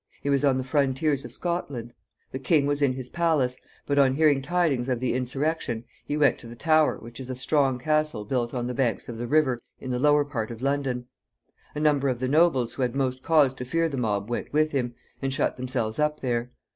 He was on the frontiers of Scotland. The king was in his palace; but, on hearing tidings of the insurrection, he went to the Tower, which is a strong castle built on the banks of the river, in the lower part of London. A number of the nobles who had most cause to fear the mob went with him, and shut themselves up there.